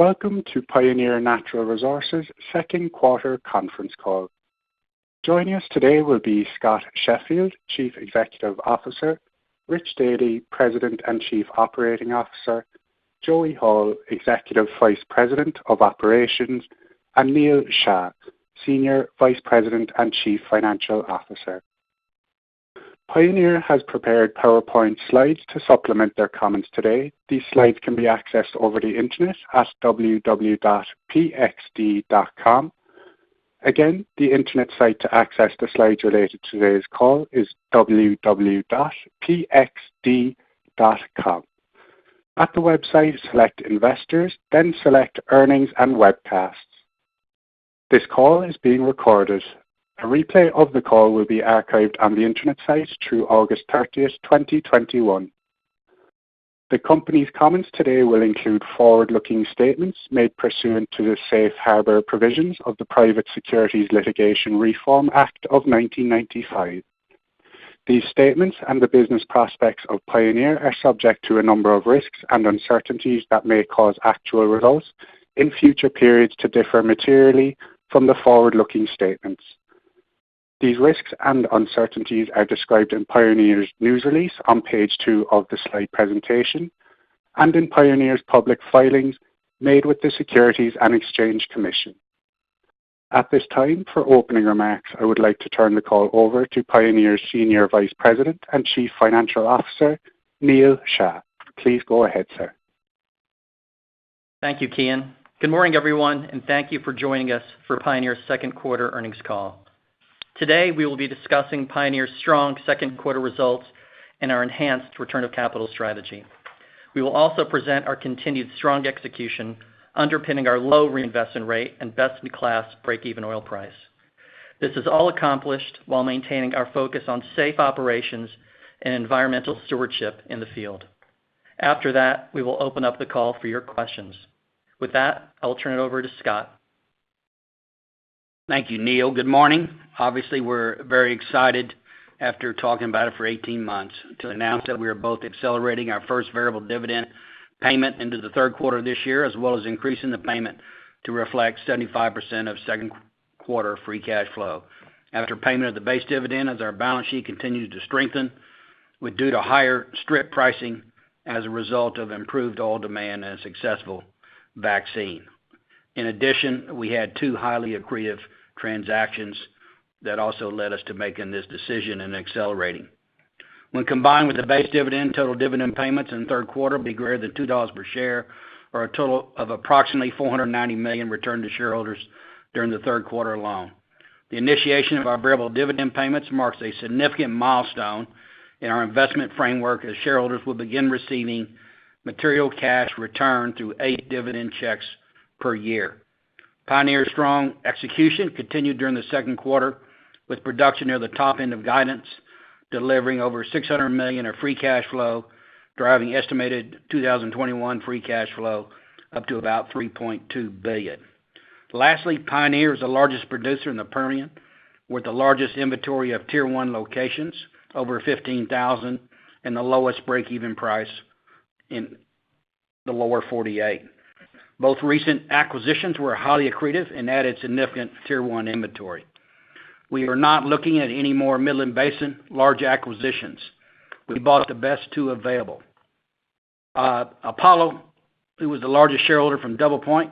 Welcome to Pioneer Natural Resources' second quarter conference call. Joining us today will be Scott Sheffield, Chief Executive Officer, Richard P. Dealy, President and Chief Operating Officer, Joey Hall, Executive Vice President of Operations, and Neal H. Shah, Senior Vice President and Chief Financial Officer. Pioneer has prepared PowerPoint slides to supplement their comments today. These slides can be accessed over the internet at www.pxd.com. Again, the internet site to access the slides related to today's call is www.pxd.com. At the website, select Investors, then select Earnings and Webcasts. This call is being recorded. A replay of the call will be archived on the internet site through August 30th, 2021. The company's comments today will include forward-looking statements made pursuant to the safe harbor provisions of the Private Securities Litigation Reform Act of 1995. These statements and the business prospects of Pioneer are subject to a number of risks and uncertainties that may cause actual results in future periods to differ materially from the forward-looking statements. These risks and uncertainties are described in Pioneer's news release on page two of the slide presentation and in Pioneer's public filings made with the Securities and Exchange Commission. At this time, for opening remarks, I would like to turn the call over to Pioneer's Senior Vice President and Chief Financial Officer, Neal H. Shah. Please go ahead, sir. Thank you, Kian. Good morning, everyone, and thank you for joining us for Pioneer's second quarter earnings call. Today, we will be discussing Pioneer's strong second quarter results and our enhanced return of capital strategy. We will also present our continued strong execution underpinning our low reinvestment rate and best-in-class breakeven oil price. This is all accomplished while maintaining our focus on safe operations and environmental stewardship in the field. After that, we will open up the call for your questions. With that, I'll turn it over to Scott. Thank you, Neal. Good morning. Obviously, we're very excited after talking about it for 18 months to announce that we are both accelerating our first variable dividend payment into the third quarter of this year, as well as increasing the payment to reflect 75% of second quarter free cash flow. After payment of the base dividend, as our balance sheet continues to strengthen with due to higher strip pricing as a result of improved oil demand and a successful vaccine. We had two highly accretive transactions that also led us to making this decision and accelerating. When combined with the base dividend, total dividend payments in the third quarter will be greater than $2 per share or a total of approximately $490 million returned to shareholders during the third quarter alone. The initiation of our variable dividend payments marks a significant milestone in our investment framework as shareholders will begin receiving material cash returned through eight dividend checks per year. Pioneer's strong execution continued during the second quarter with production near the top end of guidance, delivering over $600 million of free cash flow, driving estimated 2021 free cash flow up to about $3.2 billion. Lastly, Pioneer is the largest producer in the Permian, with the largest inventory of Tier One locations, over 15,000, and the lowest breakeven price in the Lower 48. Both recent acquisitions were highly accretive and added significant Tier One inventory. We are not looking at any more Midland Basin large acquisitions. We bought the best two available. Apollo, who was the largest shareholder from DoublePoint,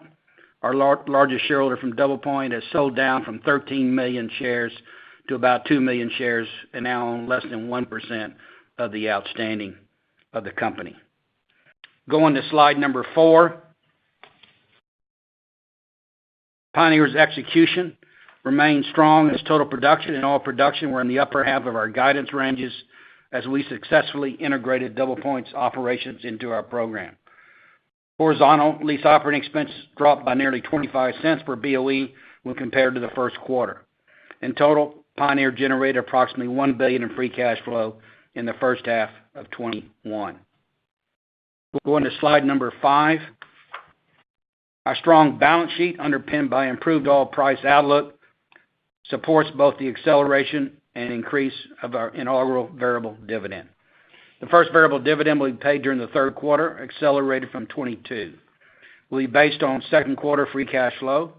has sold down from 13 million shares to about 2 million shares and now own less than 1% of the outstanding of the company. Going to slide number four. Pioneer's execution remains strong as total production and oil production were in the upper half of our guidance ranges as we successfully integrated DoublePoint's operations into our program. Horizontal lease operating expense dropped by nearly $0.25 per BOE when compared to the first quarter. In total, Pioneer generated approximately $1 billion in free cash flow in the first half of 2021. We'll go on to slide number five. Our strong balance sheet underpinned by improved oil price outlook supports both the acceleration and increase of our inaugural variable dividend. The first variable dividend will be paid during the third quarter, accelerated from 2022. Will be based on second quarter free cash flow.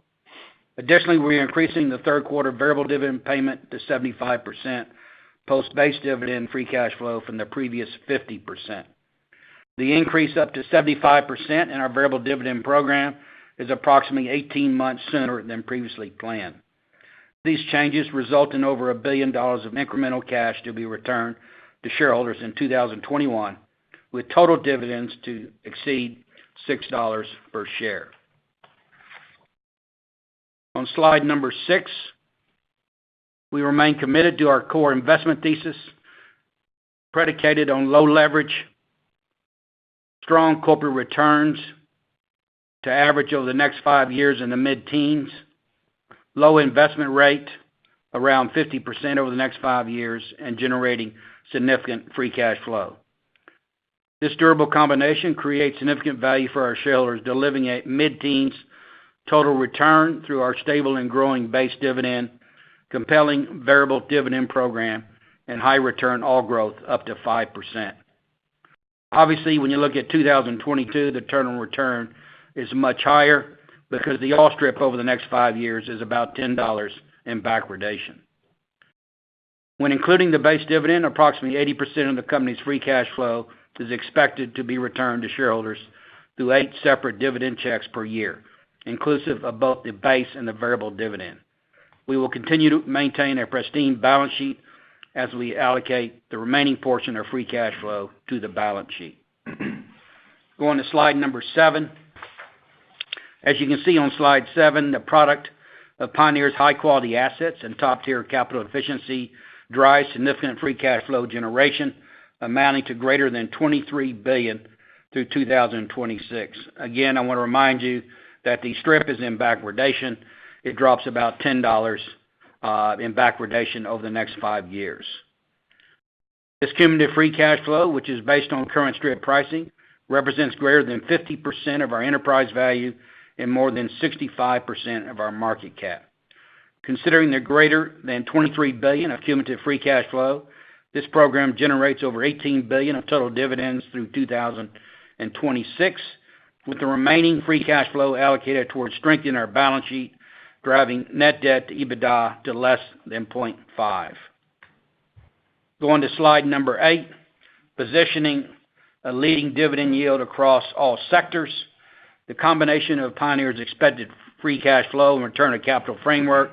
Additionally, we're increasing the third quarter variable dividend payment to 75% post-base dividend free cash flow from the previous 50%. The increase up to 75% in our variable dividend program is approximately 18 months sooner than previously planned. These changes result in over $1 billion of incremental cash to be returned to shareholders in 2021, with total dividends to exceed $6 per share. On slide number six, we remain committed to our core investment thesis, predicated on low leverage, strong corporate returns to average over the next five years in the mid-teens, low investment rate around 50% over the next five years and generating significant free cash flow. This durable combination creates significant value for our shareholders, delivering a mid-teens total return through our stable and growing base dividend, compelling variable dividend program, and high return oil growth up to 5%. Obviously, when you look at 2022, the total return is much higher because the oil strip over the next five years is about $10 in backwardation. When including the base dividend, approximately 80% of the company's free cash flow is expected to be returned to shareholders through eight separate dividend checks per year, inclusive of both the base and the variable dividend. We will continue to maintain a pristine balance sheet as we allocate the remaining portion of free cash flow to the balance sheet. Going to slide number seven. As you can see on slide seven, the product of Pioneer's high-quality assets and top-tier capital efficiency drive significant free cash flow generation amounting to greater than $23 billion through 2026. Again, I want to remind you that the strip is in backwardation. It drops about $10 in backwardation over the next five years. This cumulative free cash flow, which is based on current strip pricing, represents greater than 50% of our enterprise value and more than 65% of our market cap. Considering the greater than $23 billion of cumulative free cash flow, this program generates over $18 billion of total dividends through 2026, with the remaining free cash flow allocated towards strengthening our balance sheet, driving net debt to EBITDA to less than 0.5. Going to slide number eight, positioning a leading dividend yield across all sectors. The combination of Pioneer's expected free cash flow and return on capital framework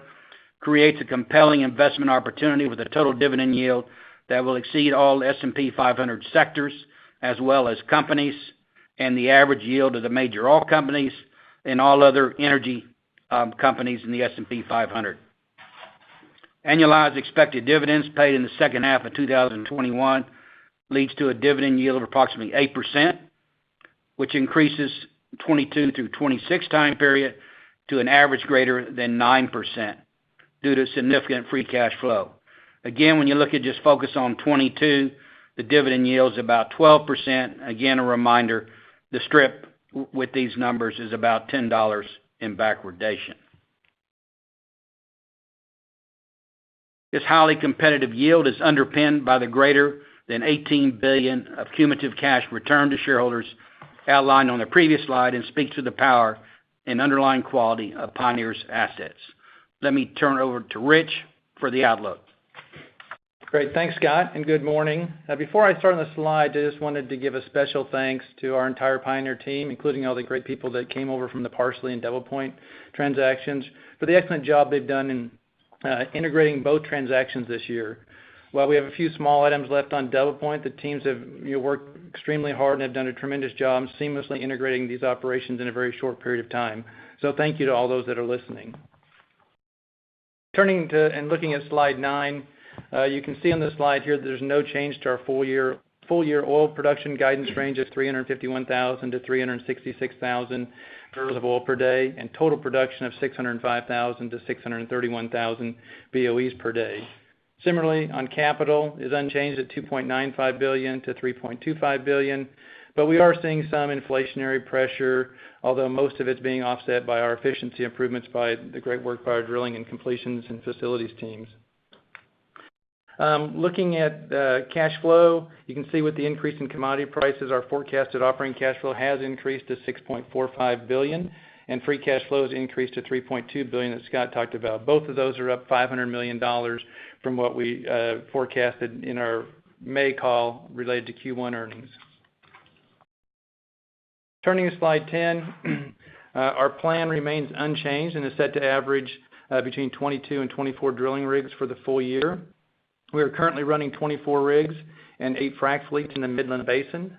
creates a compelling investment opportunity with a total dividend yield that will exceed all S&P 500 sectors, as well as companies and the average yield of the major oil companies and all other energy companies in the S&P 500. Annualized expected dividends paid in the second half of 2021 leads to a dividend yield of approximately 8%, which increases 2022 through 2026 time period to an average greater than 9% due to significant free cash flow. When you look at just focus on 2022, the dividend yield is about 12%. A reminder, the strip with these numbers is about $10 in backwardation. This highly competitive yield is underpinned by the greater than $18 billion of cumulative cash returned to shareholders outlined on the previous slide and speaks to the power and underlying quality of Pioneer's assets. Let me turn it over to Rich for the outlook. Great. Thanks, Scott. Good morning. Before I start on the slide, I just wanted to give a special thanks to our entire Pioneer team, including all the great people that came over from the Parsley and DoublePoint transactions, for the excellent job they've done in integrating both transactions this year. While we have a few small items left on DoublePoint, the teams have worked extremely hard and have done a tremendous job seamlessly integrating these operations in a very short period of time. Thank you to all those that are listening. Turning to and looking at slide nine, you can see on this slide here there's no change to our full year oil production guidance range of 351,000 to 366,000 barrels of oil per day and total production of 605,000 to 631,000 BOEs per day. Similarly, on capital, it is unchanged at $2.95 billion-$3.25 billion, but we are seeing some inflationary pressure, although most of it's being offset by our efficiency improvements by the great work by our drilling and completions and facilities teams. Looking at cash flow, you can see with the increase in commodity prices, our forecasted operating cash flow has increased to $6.45 billion and free cash flow has increased to $3.2 billion as Scott talked about. Both of those are up $500 million from what we forecasted in our May call related to Q1 earnings. Turning to slide 10, our plan remains unchanged and is set to average between 22 and 24 drilling rigs for the full year. We are currently running 24 rigs and 8 frac fleets in the Midland Basin.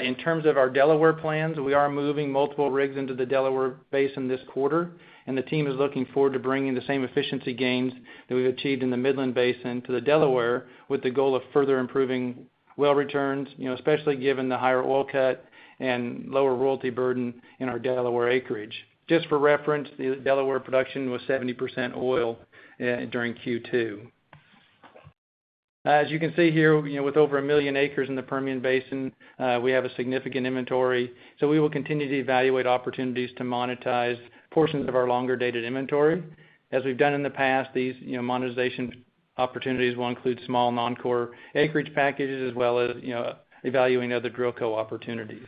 In terms of our Delaware plans, we are moving multiple rigs into the Delaware Basin this quarter, and the team is looking forward to bringing the same efficiency gains that we've achieved in the Midland Basin to the Delaware with the goal of further improving well returns, especially given the higher oil cut and lower royalty burden in our Delaware acreage. Just for reference, the Delaware production was 70% oil during Q2. As you can see here, with over 1 million acres in the Permian Basin, we have a significant inventory. We will continue to evaluate opportunities to monetize portions of our longer-dated inventory. As we've done in the past, these monetization opportunities will include small non-core acreage packages, as well as evaluating other DrillCo opportunities.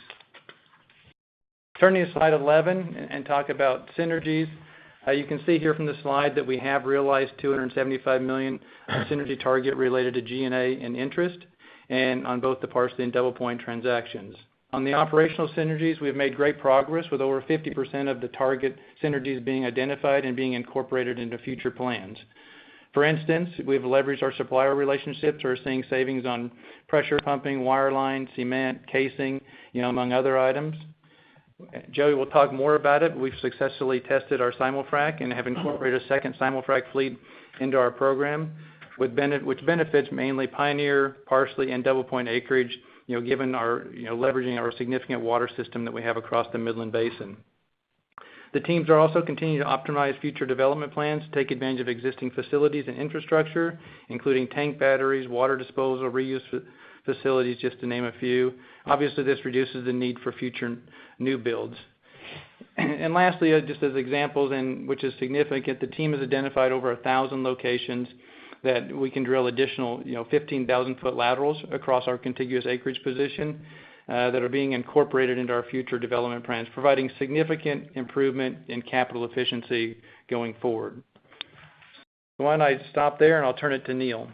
Turning to slide 11 and talk about synergies. You can see here from the slide that we have realized $275 million of synergy target related to G&A and interest and on both the Parsley and DoublePoint transactions. On the operational synergies, we've made great progress with over 50% of the target synergies being identified and being incorporated into future plans. For instance, we have leveraged our supplier relationships. We're seeing savings on pressure pumping, wireline, cement, casing, among other items. Joey Hall will talk more about it. We've successfully tested our simul-frac and have incorporated a second simul-frac fleet into our program, which benefits mainly Pioneer, Parsley, and DoublePoint acreage, leveraging our significant water system that we have across the Midland Basin. The teams are also continuing to optimize future development plans to take advantage of existing facilities and infrastructure, including tank batteries, water disposal, reuse facilities, just to name a few. Obviously, this reduces the need for future new builds. Lastly, just as examples, which is significant, the team has identified over 1,000 locations that we can drill additional 15,000-foot laterals across our contiguous acreage position that are being incorporated into our future development plans, providing significant improvement in capital efficiency going forward. Why don't I stop there, and I'll turn it to Neal.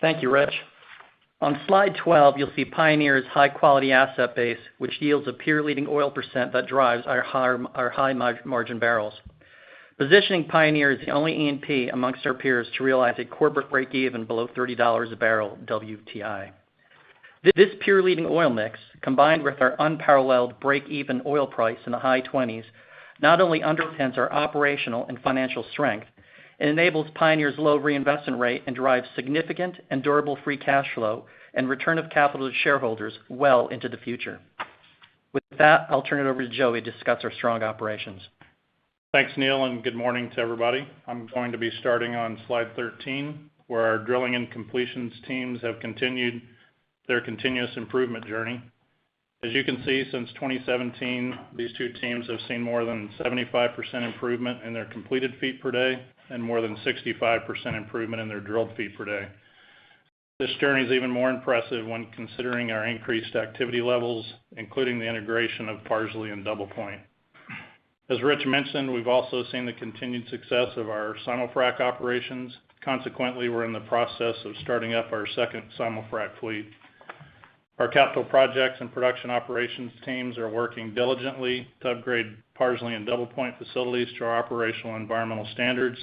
Thank you, Rich. On slide 12, you'll see Pioneer's high-quality asset base, which yields a peer-leading oil percent that drives our high margin barrels. Positioning Pioneer as the only E&P among our peers to realize a corporate breakeven below $30 a barrel WTI. This peer-leading oil mix, combined with our unparalleled breakeven oil price in the high 20s, not only underpins our operational and financial strength, it enables Pioneer's low reinvestment rate and drives significant and durable free cash flow and return of capital to shareholders well into the future. With that, I'll turn it over to Joey to discuss our strong operations. Thanks, Neal, and good morning to everybody. I'm going to be starting on slide 13, where our drilling and completions teams have continued their continuous improvement journey. As you can see, since 2017, these two teams have seen more than 75% improvement in their completed feet per day and more than 65% improvement in their drilled feet per day. This journey is even more impressive when considering our increased activity levels, including the integration of Parsley Energy and DoublePoint Energy. As Richard P. Dealy mentioned, we've also seen the continued success of our simul-frac operations. Consequently, we're in the process of starting up our second simul-frac fleet. Our capital projects and production operations teams are working diligently to upgrade Parsley Energy and DoublePoint Energy facilities to our operational environmental standards.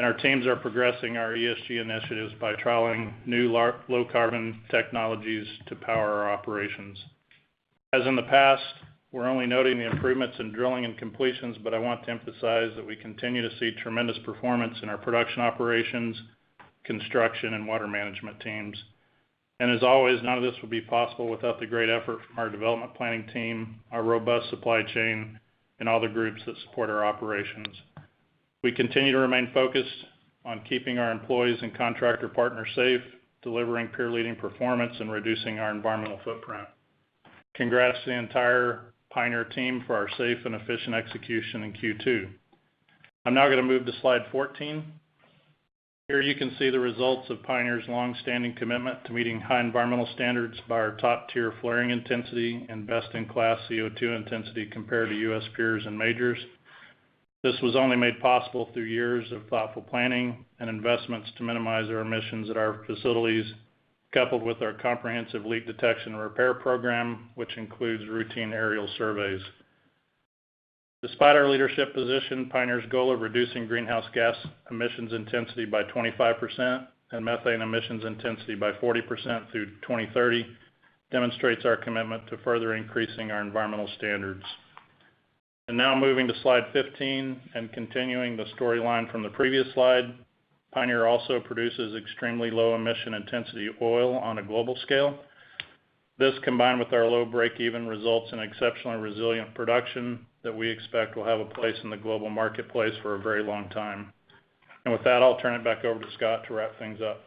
Our teams are progressing our ESG initiatives by trialing new low-carbon technologies to power our operations. As in the past, we're only noting the improvements in drilling and completions, but I want to emphasize that we continue to see tremendous performance in our production operations, construction, and water management teams. As always, none of this would be possible without the great effort from our development planning team, our robust supply chain, and all the groups that support our operations. We continue to remain focused on keeping our employees and contractor partners safe, delivering peer-leading performance, and reducing our environmental footprint. Congrats to the entire Pioneer team for our safe and efficient execution in Q2. I'm now going to move to slide 14. Here you can see the results of Pioneer's longstanding commitment to meeting high environmental standards by our top-tier flaring intensity and best-in-class CO2 intensity compared to U.S. peers and majors. This was only made possible through years of thoughtful planning and investments to minimize our emissions at our facilities, coupled with our comprehensive leak detection and repair program, which includes routine aerial surveys. Despite our leadership position, Pioneer's goal of reducing greenhouse gas emissions intensity by 25% and methane emissions intensity by 40% through 2030 demonstrates our commitment to further increasing our environmental standards. Now moving to slide 15 and continuing the storyline from the previous slide, Pioneer also produces extremely low emission intensity oil on a global scale. This, combined with our low breakeven, results in exceptionally resilient production that we expect will have a place in the global marketplace for a very long time. With that, I'll turn it back over to Scott to wrap things up.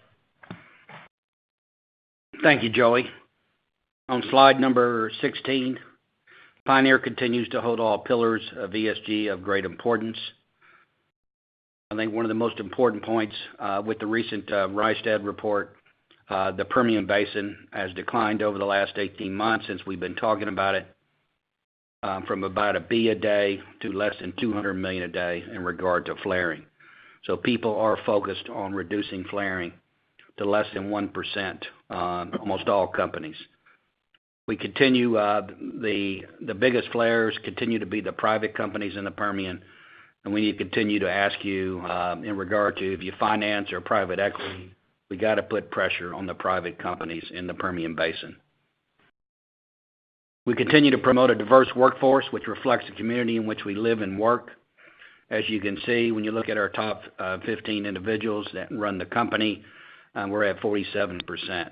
Thank you, Joey. On slide number 16, Pioneer continues to hold all pillars of ESG of great importance. I think one of the most important points with the recent Rystad report, the Permian Basin has declined over the last 18 months since we've been talking about it, from about a billion a day to less than 200 million a day in regard to flaring. People are focused on reducing flaring to less than 1%, almost all companies. The biggest flares continue to be the private companies in the Permian, we need to continue to ask you in regard to if you finance or private equity, we got to put pressure on the private companies in the Permian Basin. We continue to promote a diverse workforce, which reflects the community in which we live and work. As you can see, when you look at our top 15 individuals that run the company, we're at 47%.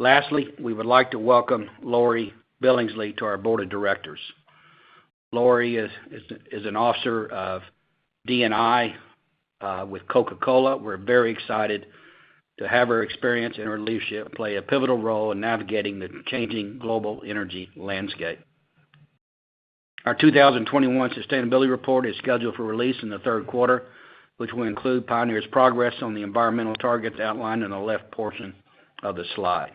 Lastly, we would like to welcome Lori George Billingsley to our board of directors. Lori is an officer of D&I with Coca-Cola. We're very excited to have her experience and her leadership play a pivotal role in navigating the changing global energy landscape. Our 2021 sustainability report is scheduled for release in the third quarter, which will include Pioneer's progress on the environmental targets outlined in the left portion of the slide.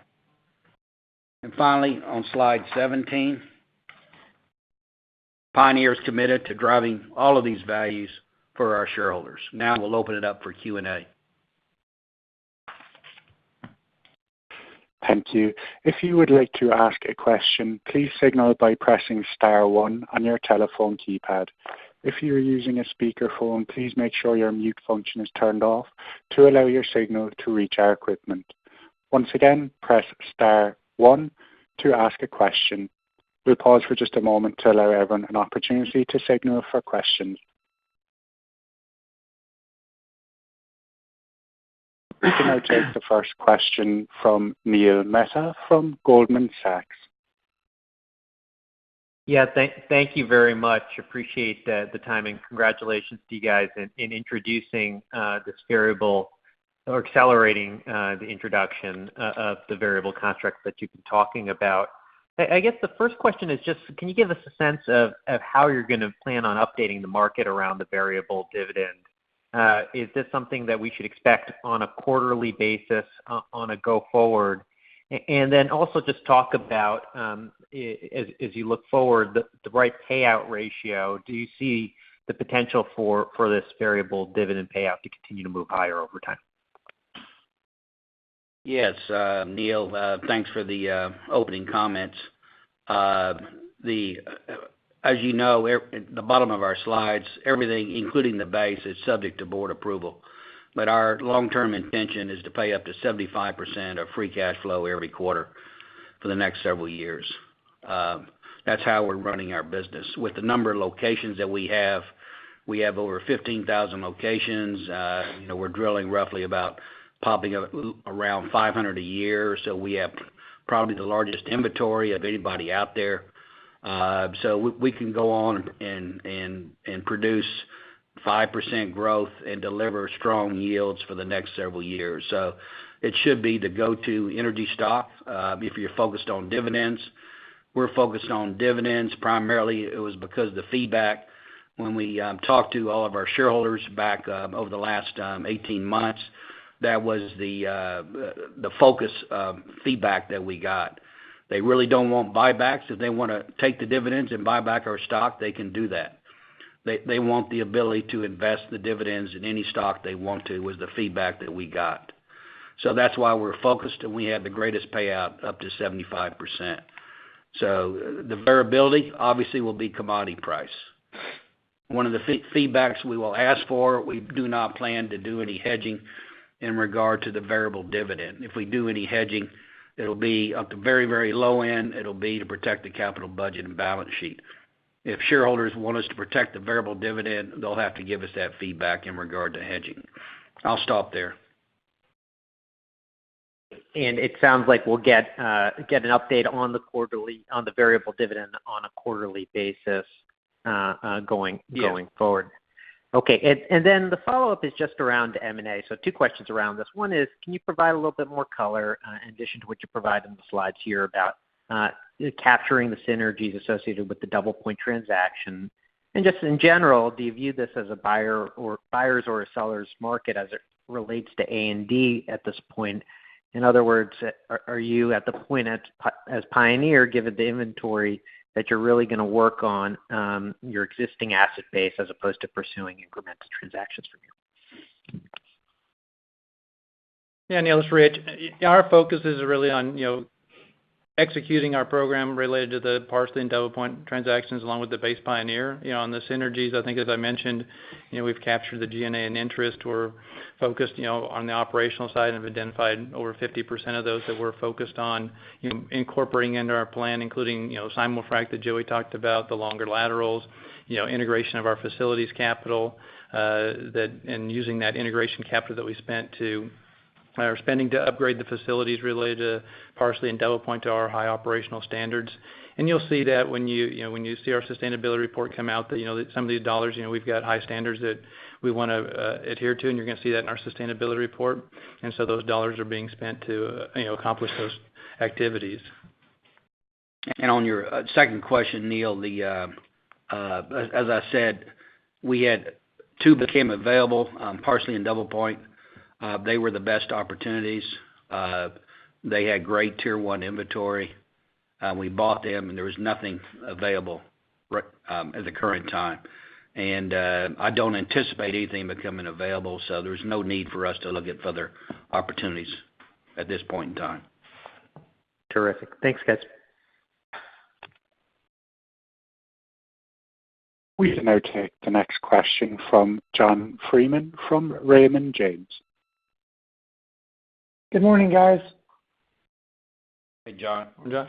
Finally, on slide 17, Pioneer is committed to driving all of these values for our shareholders. Now we'll open it up for Q&A. Thank you. If you would like to ask a question, please signal by pressing star one on your telephone keypad. If you are using a speakerphone, please make sure your mute function is turned off to allow your signal to reach our equipment. Once again, press star one to ask a question. We'll pause for just a moment to allow everyone an opportunity to signal for questions. We can now take the first question from Neil Mehta from Goldman Sachs. Yeah. Thank you very much. Appreciate the timing. Congratulations to you guys in introducing this variable dividend, accelerating the introduction of the variable dividend that you've been talking about. I guess the first question is just can you give us a sense of how you're going to plan on updating the market around the variable dividend? Is this something that we should expect on a quarterly basis on a go forward? Also just talk about, as you look forward, the right payout ratio, do you see the potential for this variable dividend payout to continue to move higher over time? Yes. Neil, thanks for the opening comments. As you know, the bottom of our slides, everything, including the base, is subject to board approval. Our long-term intention is to pay up to 75% of free cash flow every quarter for the next several years. That's how we're running our business. With the number of locations that we have, we have over 15,000 locations. We're drilling roughly about popping around 500 a year. We have probably the largest inventory of anybody out there. We can go on and produce 5% growth and deliver strong yields for the next several years. It should be the go-to energy stock if you're focused on dividends. We're focused on dividends. Primarily, it was because of the feedback when we talked to all of our shareholders back over the last 18 months. That was the focus feedback that we got. They really don't want buybacks. If they want to take the dividends and buy back our stock, they can do that. They want the ability to invest the dividends in any stock they want to was the feedback that we got. That's why we're focused, and we have the greatest payout, up to 75%. The variability obviously will be commodity price. One of the feedbacks we will ask for, we do not plan to do any hedging in regard to the variable dividend. If we do any hedging, it'll be up to very low end. It'll be to protect the capital budget and balance sheet. If shareholders want us to protect the variable dividend, they'll have to give us that feedback in regard to hedging. I'll stop there. It sounds like we'll get an update on the variable dividend on a quarterly basis going forward. Yes. Okay. Then the follow-up is just around M&A. Two questions around this. One is, can you provide a little bit more color, in addition to what you provide in the slides here about capturing the synergies associated with the DoublePoint transaction? Just in general, do you view this as a buyer or buyers or a seller's market as it relates to A&D at this point? In other words, are you at the point as Pioneer, given the inventory, that you're really going to work on your existing asset base as opposed to pursuing incremental transactions from here? Neil, this is Rich. Our focus is really on executing our program related to the Parsley Energy and DoublePoint Energy transactions along with the base Pioneer Natural Resources Company. On the synergies, I think as I mentioned, we've captured the G&A and interest. We're focused on the operational side and have identified over 50% of those that we're focused on incorporating into our plan, including simul-frac that Joey talked about, the longer laterals, integration of our facilities capital, and using that integration capital that we are spending to upgrade the facilities related to Parsley Energy and DoublePoint Energy to our high operational standards. You'll see that when you see our sustainability report come out, that some of these dollars, we've got high standards that we want to adhere to, and you're going to see that in our sustainability report. Those dollars are being spent to accomplish those activities. On your second question, Neil, as I said, two became available, Parsley and DoublePoint. They were the best opportunities. They had great Tier One inventory. We bought them, and there was nothing available at the current time. I don't anticipate anything becoming available, so there's no need for us to look at further opportunities at this point in time. Terrific. Thanks, guys. We can now take the next question from John Freeman from Raymond James. Good morning, guys. Hey, John. John.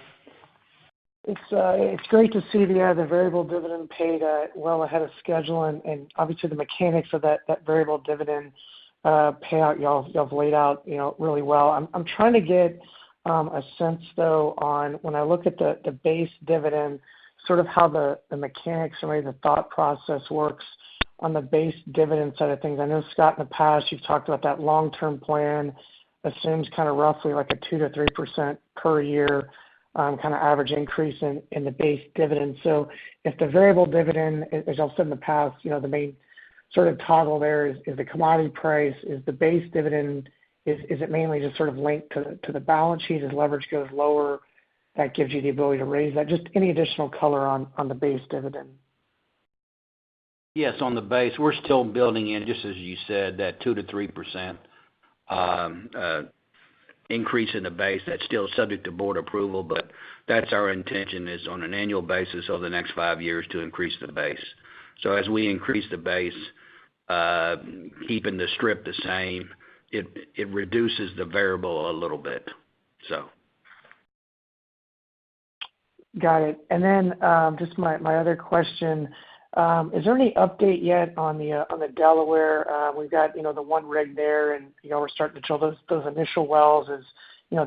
It's great to see the variable dividend paid well ahead of schedule, and obviously the mechanics of that variable dividend payout y'all have laid out really well. I'm trying to get a sense, though, on when I look at the base dividend, sort of how the mechanics or maybe the thought process works on the base dividend side of things. I know, Scott, in the past you've talked about that long-term plan assumes kind of roughly like a 2%-3% per year kind of average increase in the base dividend. If the variable dividend, as y'all said in the past, the main sort of toggle there is the commodity price, is the base dividend mainly just sort of linked to the balance sheet? As leverage goes lower, that gives you the ability to raise that. Just any additional color on the base dividend. Yes. On the base, we're still building in, just as you said, that 2% to 3% increase in the base. That's still subject to board approval, but that's our intention is on an annual basis over the next five years to increase the base. As we increase the base, keeping the strip the same, it reduces the variable a little bit. Got it. Just my other question, is there any update yet on the Delaware? We've got the one rig there, and we're starting to drill those initial wells as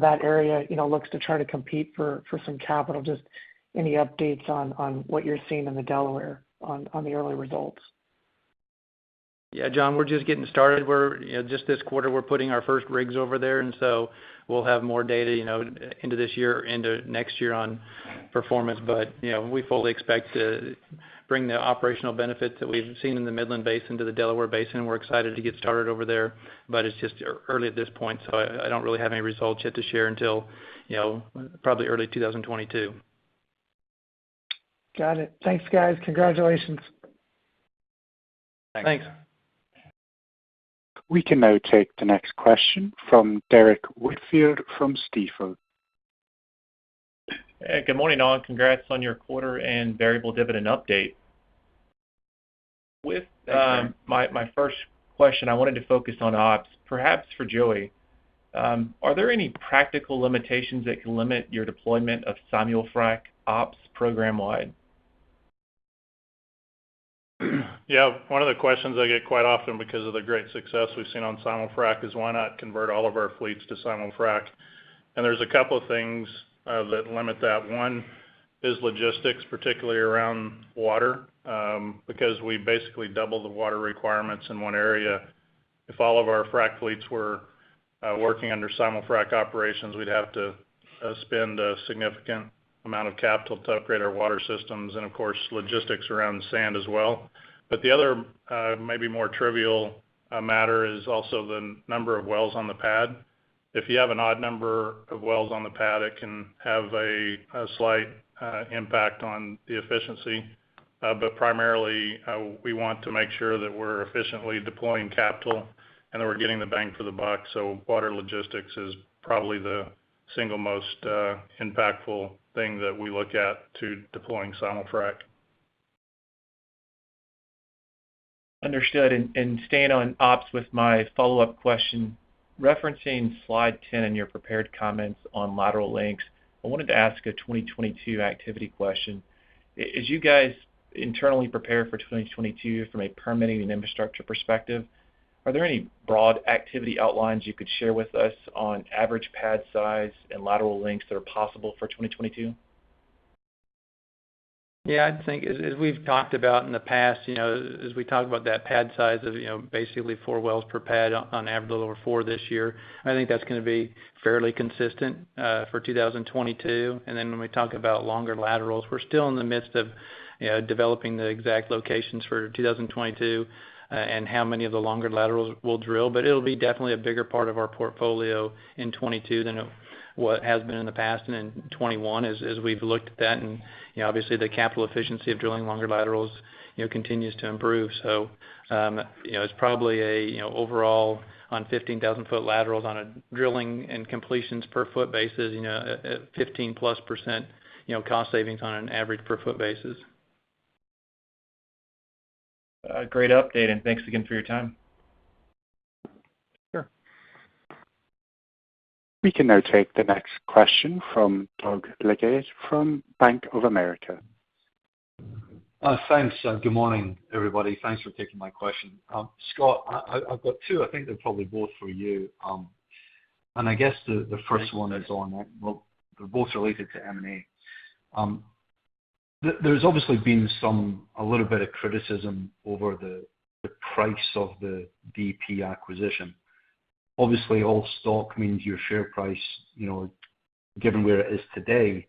that area looks to try to compete for some capital. Just any updates on what you're seeing in the Delaware on the early results Yeah, John, we're just getting started. Just this quarter, we're putting our first rigs over there, and so we'll have more data into this year or into next year on performance. We fully expect to bring the operational benefits that we've seen in the Midland Basin to the Delaware Basin, and we're excited to get started over there. It's just early at this point, so I don't really have any results yet to share until probably early 2022. Got it. Thanks, guys. Congratulations. Thanks. We can now take the next question from Derrick Whitfield from Stifel. Hey, good morning, all. Congrats on your quarter and variable dividend update. With my first question, I wanted to focus on ops, perhaps for Joey. Are there any practical limitations that can limit your deployment of simul-frac ops program-wide? Yeah. One of the questions I get quite often because of the great success we've seen on simul-frac is why not convert all of our fleets to simul-frac? There's a couple things that limit that. One is logistics, particularly around water, because we basically double the water requirements in one area. If all of our frac fleets were working under simul-frac operations, we'd have to spend a significant amount of capital to upgrade our water systems, and of course, logistics around the sand as well. The other, maybe more trivial matter is also the number of wells on the pad. If you have an odd number of wells on the pad, it can have a slight impact on the efficiency. Primarily, we want to make sure that we're efficiently deploying capital and that we're getting the bang for the buck. Water logistics is probably the single most impactful thing that we look at to deploying simul-frac. Understood. Staying on ops with my follow-up question, referencing slide 10 in your prepared comments on lateral lengths, I wanted to ask a 2022 activity question. As you guys internally prepare for 2022 from a permitting and infrastructure perspective, are there any broad activity outlines you could share with us on average pad size and lateral lengths that are possible for 2022? Yeah, I think as we've talked about in the past, as we talk about that pad size of basically four wells per pad on average a little over four this year, I think that's going to be fairly consistent for 2022. When we talk about longer laterals, we're still in the midst of developing the exact locations for 2022, and how many of the longer laterals we'll drill. It'll be definitely a bigger part of our portfolio in 2022 than what it has been in the past and in 2021, as we've looked at that. Obviously, the capital efficiency of drilling longer laterals continues to improve. It's probably a overall, on 15,000-foot laterals on a drilling and completions per foot basis, a 15+% cost savings on an average per foot basis. Great update, and thanks again for your time. Sure. We can now take the next question from Doug Leggate from Bank of America. Thanks. Good morning, everybody. Thanks for taking my question. Scott, I've got two. I think they're probably both for you. I guess, well, they're both related to M&A. There's obviously been a little bit of criticism over the price of the DP acquisition. Obviously, all stock means your share price, given where it is today,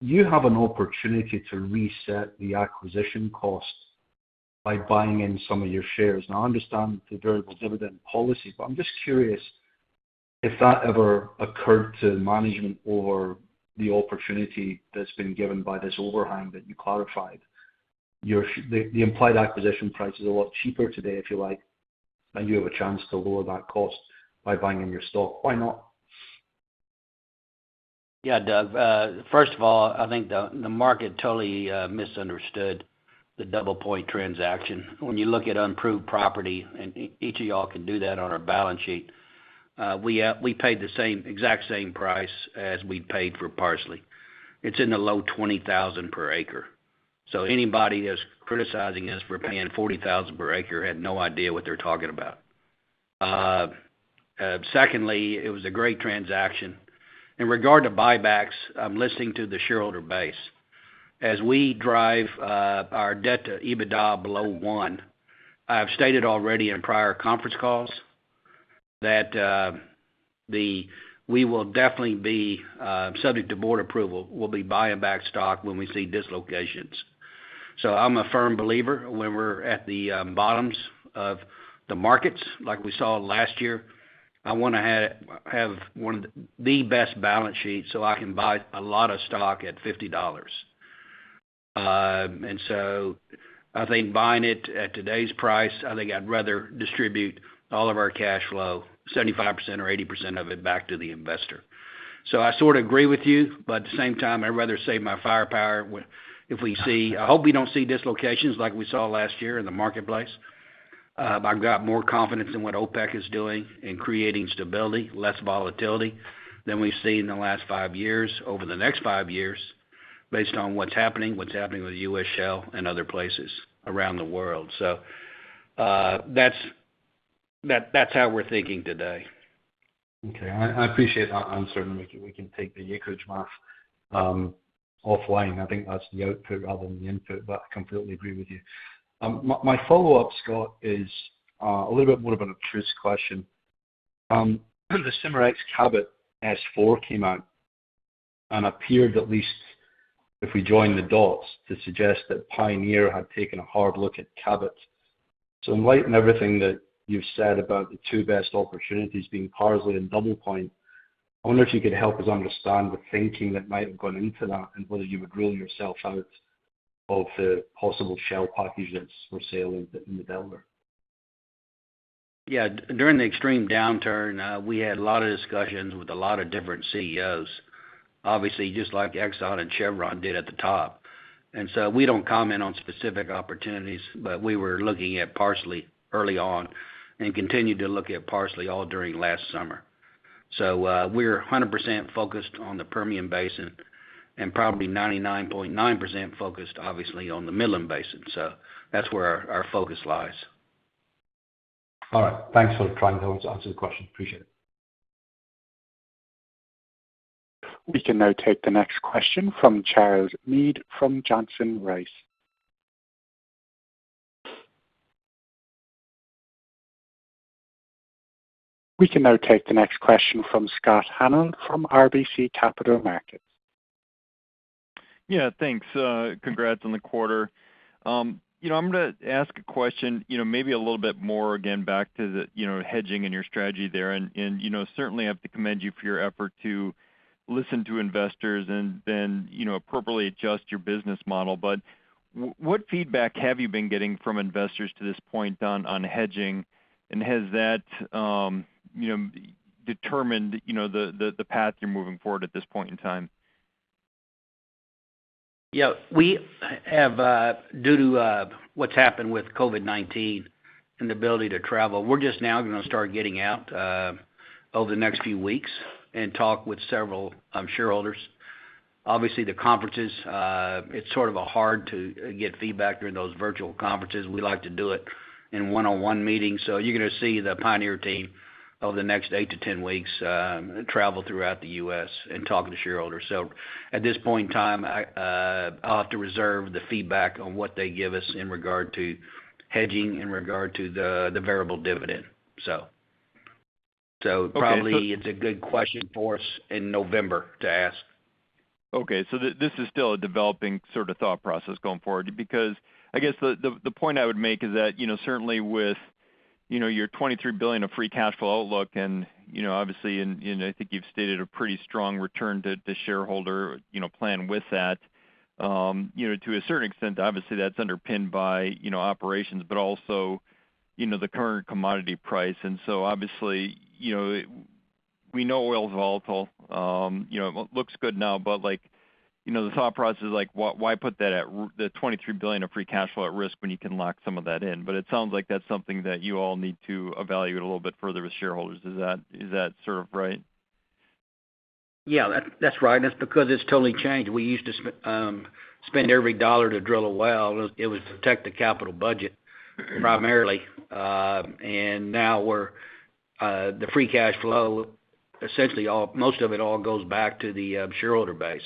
you have an opportunity to reset the acquisition cost by buying in some of your shares. I understand the variable dividend policy, I'm just curious if that ever occurred to management or the opportunity that's been given by this overhang that you clarified? The implied acquisition price is a lot cheaper today, if you like, you have a chance to lower that cost by buying in your stock. Why not? Yeah, Doug. First of all, I think the market totally misunderstood the DoublePoint transaction. When you look at unproved property, and each of y'all can do that on our balance sheet, we paid the exact same price as we paid for Parsley. It's in the low 20,000 per acre. Anybody that's criticizing us for paying 40,000 per acre had no idea what they're talking about. Secondly, it was a great transaction. In regard to buybacks, I'm listening to the shareholder base. As we drive our debt to EBITDA below 1, I have stated already on prior conference calls that we will definitely be, subject to board approval, will be buying back stock when we see dislocations. I'm a firm believer when we're at the bottoms of the markets, like we saw last year, I want to have one of the best balance sheets so I can buy a lot of stock at $50. I think buying it at today's price, I think I'd rather distribute all of our cash flow, 75% or 80% of it, back to the investor. I sort of agree with you, but at the same time, I'd rather save my firepower. I hope we don't see dislocations like we saw last year in the marketplace. I've got more confidence in what OPEC is doing in creating stability, less volatility than we've seen in the last five years over the next five years based on what's happening, what's happening with U.S. shale and other places around the world. That's how we're thinking today. Okay. I appreciate that. I'm certain we can take the acreage math offline. I think that's the output rather than the input, but I completely agree with you. My follow-up, Scott, is a little bit more of an obtuse question. The Cimarex Cabot S-4 came out and appeared, at least, if we join the dots, to suggest that Pioneer had taken a hard look at Cabot. In light of everything that you've said about the two best opportunities being Parsley and DoublePoint, I wonder if you could help us understand the thinking that might have gone into that and whether you would rule yourself out of the possible shale packages for sale in the Delaware. During the extreme downturn, we had a lot of discussions with a lot of different CEOs, obviously just like ExxonMobil and Chevron Corporation did at the top. We don't comment on specific opportunities, but we were looking at Parsley Energy early on and continued to look at Parsley Energy all during last summer. We're 100% focused on the Permian Basin and probably 99.9% focused, obviously, on the Midland Basin. That's where our focus lies. All right. Thanks for trying to answer the question. Appreciate it. We can now take the next question from Charles Meade from Johnson Rice. We can now take the next question from Scott Hanold from RBC Capital Markets. Yeah, thanks. Congrats on the quarter. I'm going to ask a question maybe a little bit more again back to the hedging and your strategy there, and certainly I have to commend you for your effort to listen to investors and then appropriately adjust your business model. What feedback have you been getting from investors to this point on hedging? Has that determined the path you're moving forward at this point in time? Due to what's happened with COVID-19 and the ability to travel, we're just now going to start getting out over the next few weeks and talk with several shareholders. Obviously, the conferences, it's sort of hard to get feedback during those virtual conferences. We like to do it in one-on-one meetings. You're going to see the Pioneer team over the next 8 to 10 weeks travel throughout the U.S. and talk to shareholders. At this point in time, I'll have to reserve the feedback on what they give us in regard to hedging, in regard to the variable dividend. Probably it's a good question for us in November to ask. Okay. This is still a developing sort of thought process going forward. Because I guess the point I would make is that, certainly with your $23 billion of free cash flow outlook, and obviously, and I think you've stated a pretty strong return to shareholder plan with that. To a certain extent, obviously, that's underpinned by operations, but also the current commodity price. Obviously, we know oil's volatile. It looks good now, but the thought process is why put the $23 billion of free cash flow at risk when you can lock some of that in? It sounds like that's something that you all need to evaluate a little bit further with shareholders. Is that sort of right? Yeah, that's right. It's because it's totally changed. We used to spend every dollar to drill a well. It was to protect the capital budget primarily. Now the free cash flow, essentially, most of it all goes back to the shareholder base.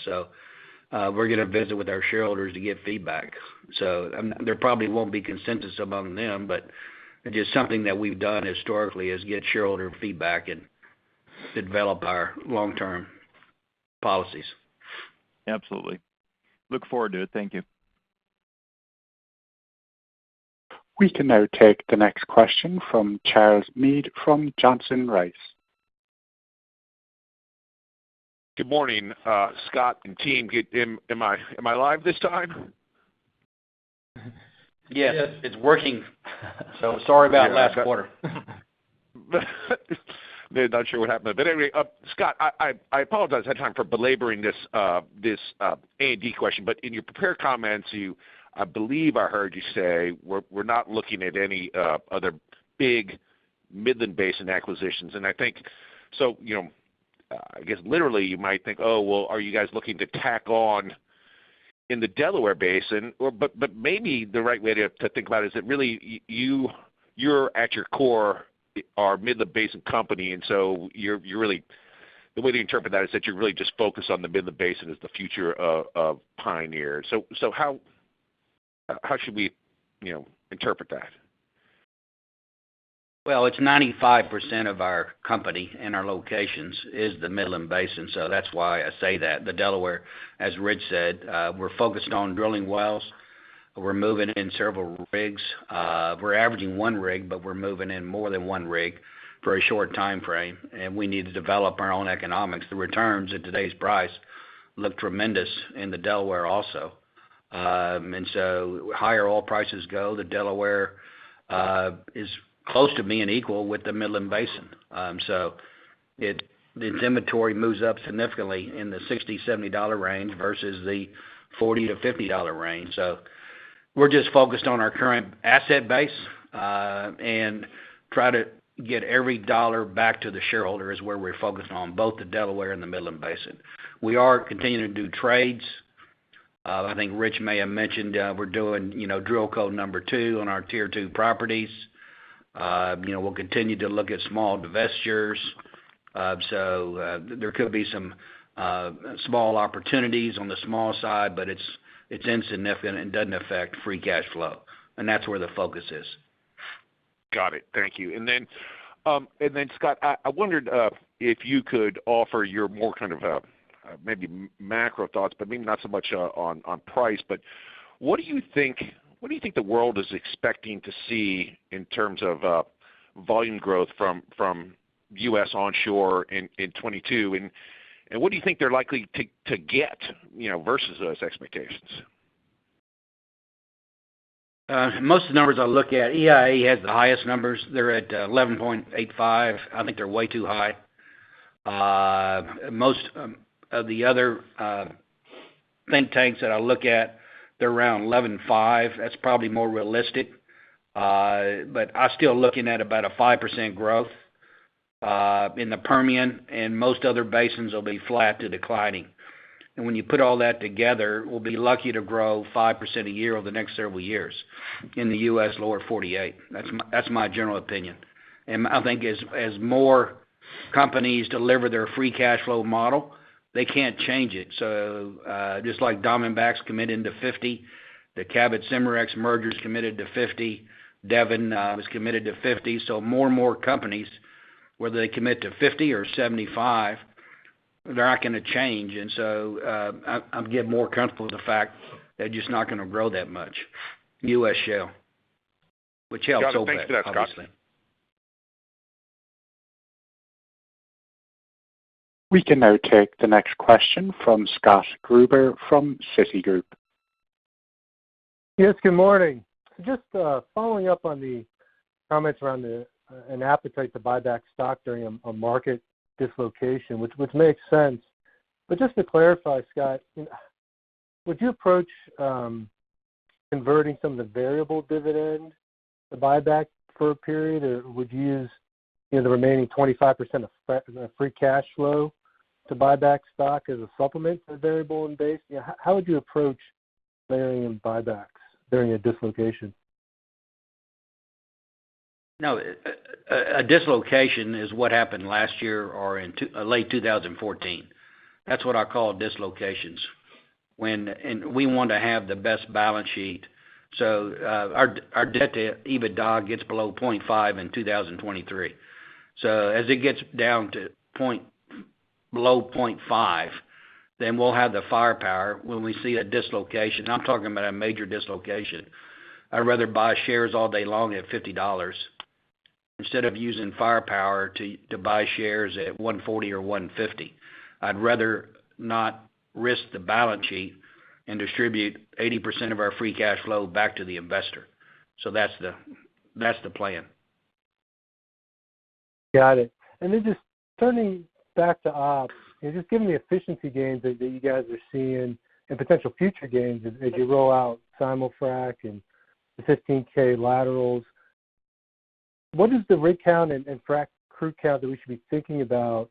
We're going to visit with our shareholders to get feedback. There probably won't be consensus among them, but just something that we've done historically is get shareholder feedback and develop our long-term policies. Absolutely. Look forward to it. Thank you. We can now take the next question from Charles Meade from Johnson Rice. Good morning, Scott and team. Am I live this time? Yes. It's working. Sorry about last quarter. Not sure what happened. Anyway, Scott, I apologize ahead of time for belaboring this A&D question, but in your prepared comments, I believe I heard you say, "We're not looking at any other big Midland Basin acquisitions." I think, I guess literally you might think, Oh, well, are you guys looking to tack on in the Delaware Basin? Maybe the right way to think about it is that really, you're at your core, are a Midland Basin company, so the way to interpret that is that you're really just focused on the Midland Basin as the future of Pioneer. How should we interpret that? Well, it's 95% of our company and our locations is the Midland Basin, so that's why I say that. The Delaware, as Rich said, we're focused on drilling wells. We're moving in several rigs. We're averaging one rig, but we're moving in more than one rig for a short time frame, and we need to develop our own economics. The returns at today's price look tremendous in the Delaware also. The higher oil prices go, the Delaware is close to being equal with the Midland Basin. Its inventory moves up significantly in the $60-$70 range versus the $40-$50 range. We're just focused on our current asset base, and try to get every dollar back to the shareholder is where we're focused on both the Delaware and the Midland Basin. We are continuing to do trades. I think Rich Dealy may have mentioned, we're doing DrillCo number two on our Tier 2 properties. We'll continue to look at small divestitures. There could be some small opportunities on the small side, but it's insignificant and doesn't affect free cash flow. That's where the focus is. Got it. Thank you. Scott, I wondered if you could offer your more kind of maybe macro thoughts, but maybe not so much on price. What do you think the world is expecting to see in terms of volume growth from U.S. onshore in 2022? What do you think they're likely to get versus those expectations? Most of the numbers I look at, EIA has the highest numbers. They're at 11.85. I think they're way too high. Most of the other think tanks that I look at, they're around 11.5. That's probably more realistic. I'm still looking at about a 5% growth in the Permian, and most other basins will be flat to declining. When you put all that together, we'll be lucky to grow 5% a year over the next several years in the U.S. Lower 48. That's my general opinion. I think as more companies deliver their free cash flow model, they can't change it. Just like Diamondback's committing to 50, the Cabot-Cimarex merger's committed to 50. Devon was committed to 50. More and more companies, whether they commit to 50 or 75, they're not going to change. I'm getting more comfortable with the fact they're just not going to grow that much, U.S. shale. Shale will hold that, obviously. Got it. Thanks for that, Scott. We can now take the next question from Scott Gruber from Citigroup. Yes, good morning. Just following up on the comments around an appetite to buy back stock during a market dislocation, which makes sense. Just to clarify, Scott, would you approach converting some of the variable dividend to buyback for a period, would you use the remaining 25% of free cash flow to buy back stock as a supplement to the variable and base? How would you approach varying buybacks during a dislocation? No, a dislocation is what happened last year or in late 2014. That's what I call dislocations. We want to have the best balance sheet. Our debt to EBITDA gets below 0.5 in 2023. As it gets down to below 0.5, then we'll have the firepower when we see a dislocation. I'm talking about a major dislocation. I'd rather buy shares all day long at $50 instead of using firepower to buy shares at $140 or $150. I'd rather not risk the balance sheet and distribute 80% of our free cash flow back to the investor. That's the plan. Got it. Just turning back to ops, just given the efficiency gains that you guys are seeing and potential future gains as you roll out simul-frac and the 15K laterals, what is the rig count and frac crew count that we should be thinking about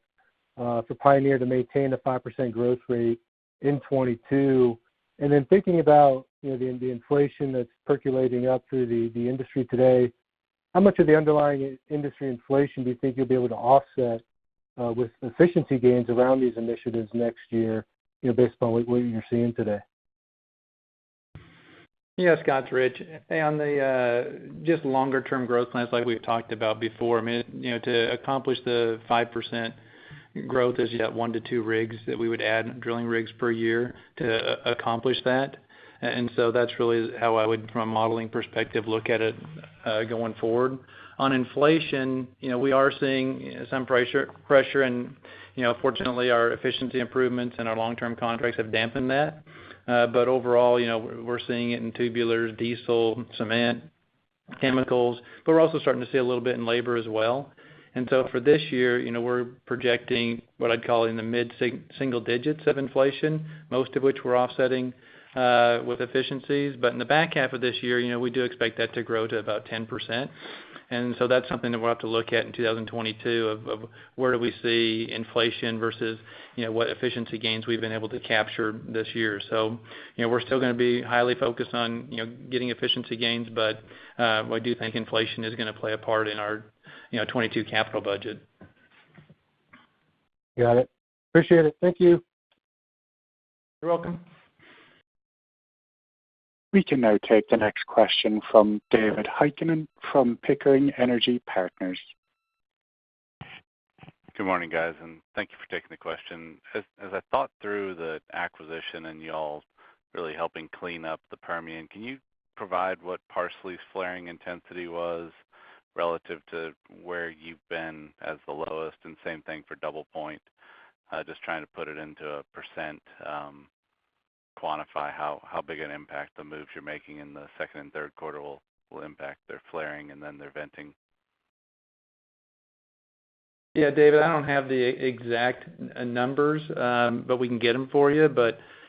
for Pioneer to maintain a 5% growth rate in 2022? Thinking about the inflation that's percolating up through the industry today, how much of the underlying industry inflation do you think you'll be able to offset with efficiency gains around these initiatives next year based upon what you're seeing today? Yeah, Scott, it's Rich. On the just longer term growth plans like we've talked about before, to accomplish the 5% growth is you got one to two rigs that we would add, drilling rigs per year to accomplish that. That's really how I would, from a modeling perspective, look at it going forward. On inflation, we are seeing some pressure and fortunately our efficiency improvements and our long-term contracts have dampened that. Overall, we're seeing it in tubulars, diesel, cement, chemicals, but we're also starting to see a little bit in labor as well. For this year, we're projecting what I'd call in the mid-single digits of inflation, most of which we're offsetting with efficiencies. In the back half of this year, we do expect that to grow to about 10%. That's something that we'll have to look at in 2022 of where do we see inflation versus what efficiency gains we've been able to capture this year. We're still going to be highly focused on getting efficiency gains, but I do think inflation is going to play a part in our 2022 capital budget. Got it. Appreciate it. Thank you. You're welcome. We can now take the next question from David Heikkinen from Pickering Energy Partners. Good morning, guys. Thank you for taking the question. As I thought through the acquisition and you all really helping clean up the Permian, can you provide what Parsley's flaring intensity was relative to where you've been as the lowest, and same thing for DoublePoint? Just trying to put it into a %, quantify how big an impact the moves you're making in the second and third quarter will impact their flaring and then their venting. David, I don't have the exact numbers, but we can get them for you.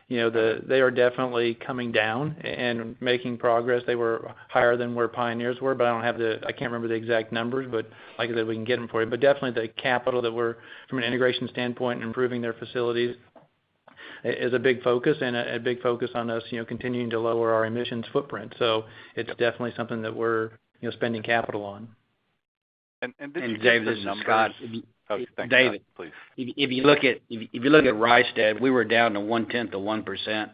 They are definitely coming down and making progress. They were higher than where Pioneer was, but I can't remember the exact numbers, but like I said, we can get them for you. Definitely the capital that we're, from an integration standpoint and improving their facilities is a big focus and a big focus on us continuing to lower our emissions footprint. It's definitely something that we're spending capital on. Did you get the numbers? David, this is Scott. Oh, thanks, Scott. Please. David, if you look at Rystad, we were down to 1/10 of 1%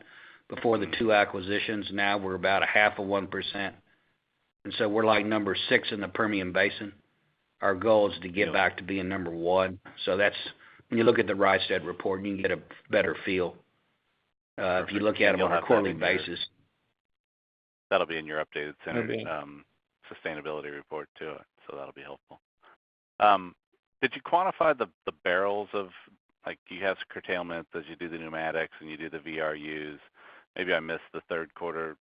before the two acquisitions. Now we're about a half of 1%, and so we're number six in the Permian Basin. Our goal is to get back to being number 1. When you look at the Rystad report, you can get a better feel. Perfect. If you look at them on a quarterly basis. That'll be in your updated center sustainability report too. That'll be helpful. Did you quantify, do you have curtailments as you do the pneumatics and you do the VRUs? Maybe I missed the third quarter.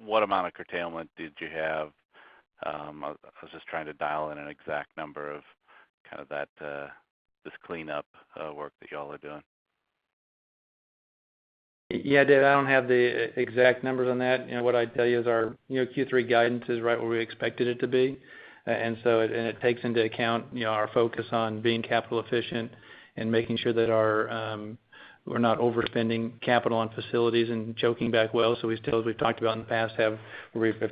What amount of curtailment did you have? I was just trying to dial in an exact number of this cleanup work that y'all are doing. Yeah, Dave, I don't have the exact numbers on that. What I'd tell you is our Q3 guidance is right where we expected it to be. It takes into account our focus on being capital efficient and making sure that we're not overspending capital on facilities and choking back wells. We still, as we've talked about in the past, have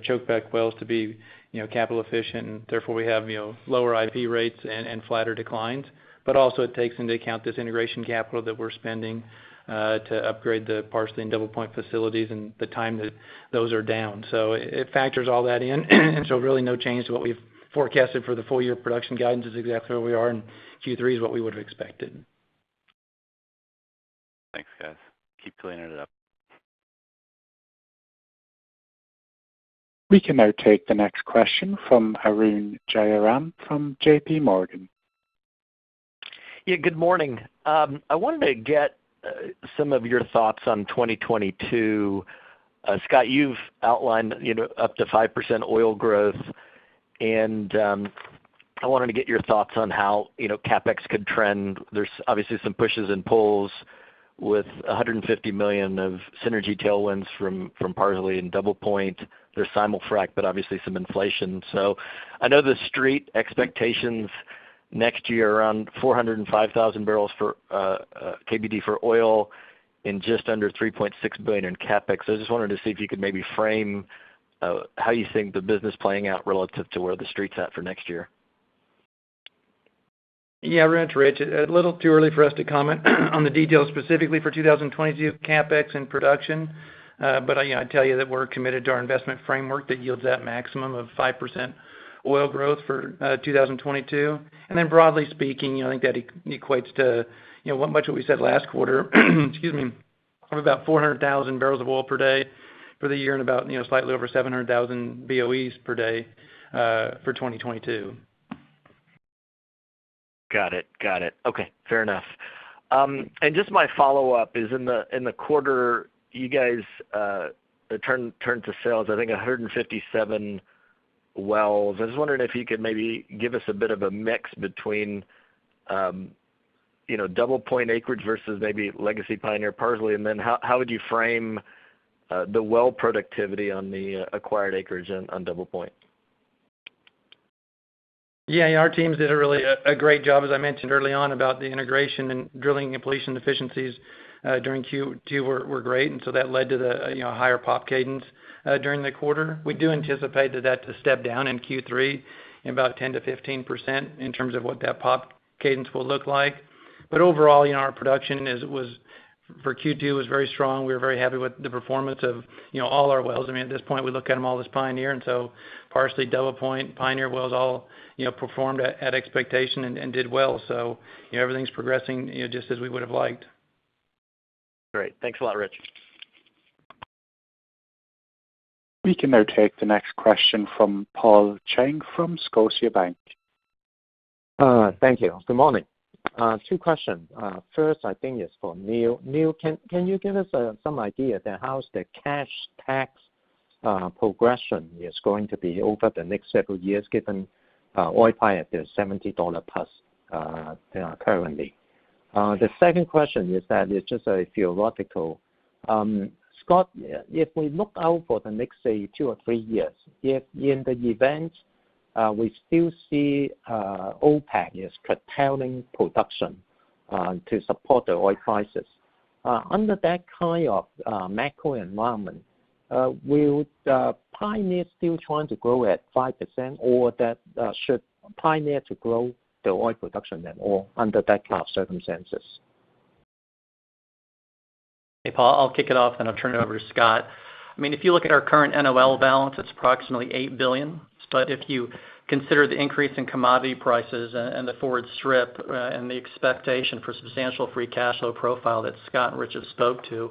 choked back wells to be capital efficient, and therefore we have lower IP rates and flatter declines. Also, it takes into account this integration capital that we're spending to upgrade the Parsley and DoublePoint facilities and the time that those are down. Really no change to what we've forecasted for the full-year production guidance is exactly where we are, and Q3 is what we would've expected. Thanks, guys. Keep cleaning it up. We can now take the next question from Arun Jayaram from JPMorgan. Yeah, good morning. I wanted to get some of your thoughts on 2022. Scott, you've outlined up to 5% oil growth. I wanted to get your thoughts on how CapEx could trend. There's obviously some pushes and pulls with $150 million of synergy tailwinds from Parsley and DoublePoint. There's simul-frac. Obviously some inflation. I know the street expectations next year are around 405,000 barrels for KBD for oil and just under $3.6 billion in CapEx. I just wanted to see if you could maybe frame how you think the business playing out relative to where the street's at for next year. Yeah, Arun, it's Rich. A little too early for us to comment on the details specifically for 2022 CapEx and production. I'd tell you that we're committed to our investment framework that yields that maximum of 5% oil growth for 2022. Broadly speaking, I think that equates to much of what we said last quarter, excuse me, of about 400,000 barrels of oil per day for the year and about slightly over 700,000 BOEs per day for 2022. Got it. Okay, fair enough. Just my follow-up is in the quarter, you guys turned to sales, I think, 157 wells. I was wondering if you could maybe give us a bit of a mix between DoublePoint acreage versus maybe legacy Pioneer Parsley, and then how would you frame the well productivity on the acquired acreage on DoublePoint? Yeah. Our teams did a really great job, as I mentioned early on, about the integration and drilling completion efficiencies during Q2 were great, that led to the higher POP cadence during the quarter. We do anticipate that to step down in Q3 in about 10%-15% in terms of what that POP cadence will look like. Overall, our production for Q2 was very strong. We were very happy with the performance of all our wells. I mean, at this point, we look at them all as Pioneer, Parsley, DoublePoint, Pioneer wells all performed at expectation and did well. Everything's progressing just as we would've liked. Great. Thanks a lot, Rich. We can now take the next question from Paul Cheng from Scotiabank. Thank you. Good morning. Two questions. First, I think it's for Neil. Neil can you give us some idea how the cash tax progression is going to be over the next several years, given oil price at the $70+ currently? The second question is just a theoretical. Scott Sheffield, if we look out for the next, say, two or three years, if in the event we still see OPEC is curtailing production to support the oil prices, under that kind of macro environment, will Pioneer still trying to grow at 5%? Or should Pioneer to grow the oil production then, or under that kind of circumstances? Hey, Paul. I'll kick it off, and I'll turn it over to Scott. If you look at our current NOL balance, it's approximately $8 billion. If you consider the increase in commodity prices and the forward strip and the expectation for substantial free cash flow profile that Scott and Rich have spoke to,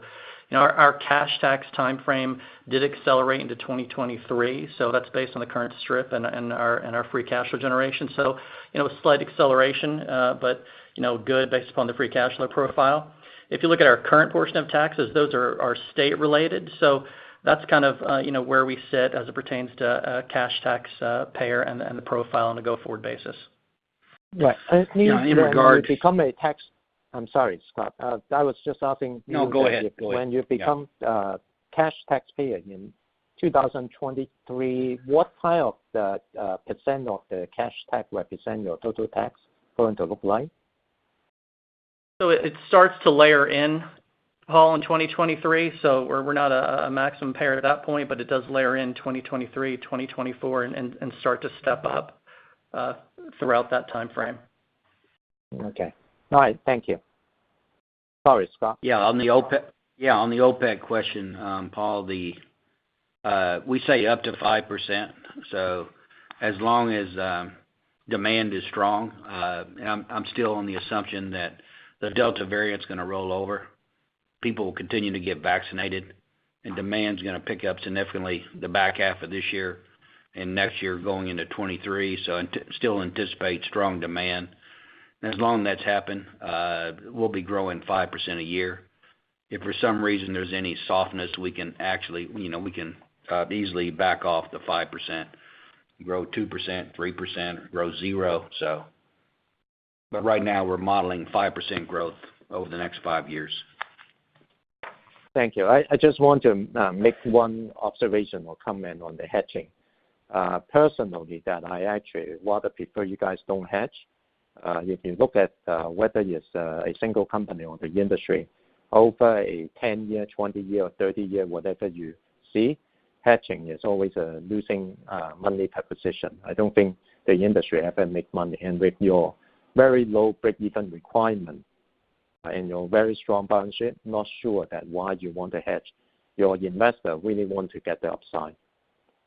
our cash tax timeframe did accelerate into 2023. That's based on the current strip and our free cash flow generation. A slight acceleration but good based upon the free cash flow profile. If you look at our current portion of taxes, those are state related, so that's kind of where we sit as it pertains to cash tax payer and the profile on a go-forward basis. Right. Neil- Yeah. I'm sorry, Scott. I was just asking Neil that. No, go ahead. Yeah When you become cash taxpayer in 2023, what part of the % of the cash stack represent your total tax going to look like? It starts to layer in, Paul, in 2023. We're not a maximum payer at that point, but it does layer in 2023, 2024, and start to step up throughout that timeframe. Okay. All right. Thank you. Sorry, Scott. On the OPEC question, Paul, we say up to 5%. As long as demand is strong, and I'm still on the assumption that the Delta variant's going to roll over. People will continue to get vaccinated, and demand's going to pick up significantly the back half of this year and next year going into 2023. Still anticipate strong demand. As long that's happened, we'll be growing 5% a year. If for some reason there's any softness, we can easily back off the 5%, grow 2%, 3%, grow 0%. Right now we're modeling 5% growth over the next 5 years. Thank you. I just want to make one observation or comment on the hedging. Personally, I actually, while the people you guys don't hedge, if you look at whether it's a single company or the industry, over a 10 year, 20 year or 30 year, whatever you see, hedging is always a losing money proposition. I don't think the industry ever make money. With your very low break-even requirement and your very strong balance sheet, not sure that why you want to hedge. Your investor really want to get the upside.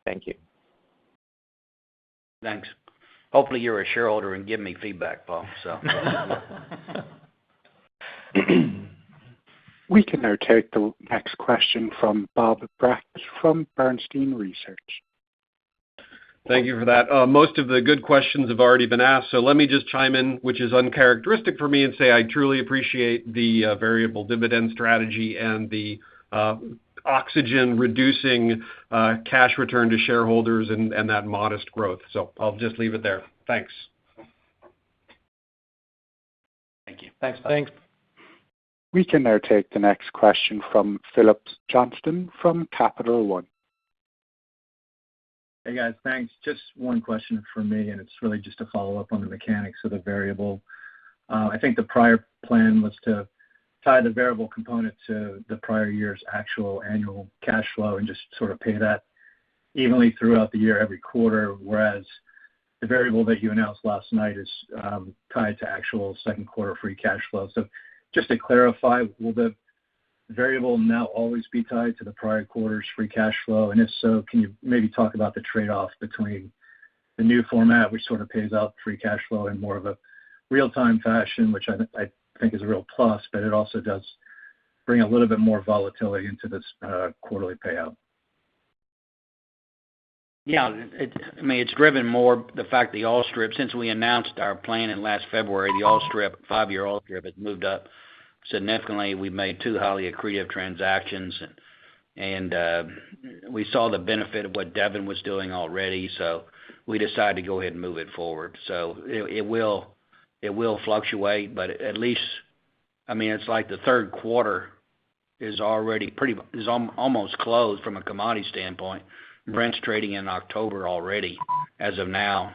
Thank you. Thanks. Hopefully you're a shareholder and give me feedback, Paul. We can now take the next question from Bob Brackett from Bernstein Research. Thank you for that. Most of the good questions have already been asked, let me just chime in, which is uncharacteristic for me, and say I truly appreciate the variable dividend strategy and the outsized cash return to shareholders and that modest growth. I'll just leave it there. Thanks. Thank you. Thanks. Thanks. We can now take the next question from Phillips Johnston from Capital One. Hey, guys. Thanks. Just one question from me. It's really just a follow-up on the mechanics of the variable. I think the prior plan was to tie the variable component to the prior year's actual annual cash flow and just sort of pay that evenly throughout the year every quarter, whereas the variable that you announced last night is tied to actual second quarter free cash flow. Just to clarify, will the variable now always be tied to the prior quarter's free cash flow? If so, can you maybe talk about the trade-off between the new format, which sort of pays out free cash flow in more of a real-time fashion, which I think is a real plus, but it also does bring a little bit more volatility into this quarterly payout. It is driven more the fact the oil strip, since we announced our plan in last February, the oil strip, five-year oil strip has moved up significantly. We made two highly accretive transactions, and we saw the benefit of what Devon was doing already. We decided to go ahead and move it forward. It will fluctuate, but at least, it is like the third quarter is almost closed from a commodity standpoint. Brent is trading in October already as of now.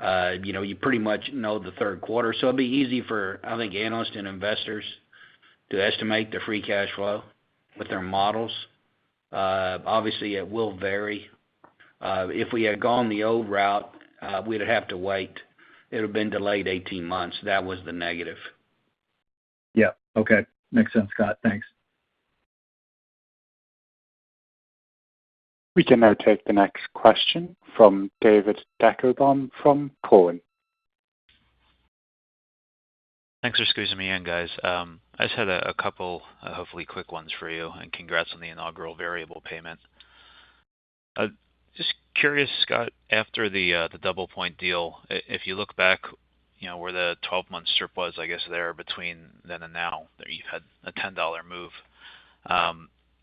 You pretty much know the third quarter. It will be easy for, I think, analysts and investors to estimate the free cash flow with their models. Obviously, it will vary. If we had gone the old route, we would have to wait. It would have been delayed 18 months. That was the negative. Yeah. Okay. Makes sense, Scott. Thanks. We can now take the next question from David Deckelbaum from Cowen. Thanks for squeezing me in, guys. I just had a couple, hopefully quick ones for you, and congrats on the inaugural variable dividend. Just curious, Scott, after the DoublePoint deal, if you look back where the 12-month strip was, I guess, there between then and now, you've had a $10 move.